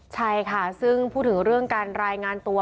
ใช่ค่ะซึ่งพูดถึงเรื่องการรายงานตัว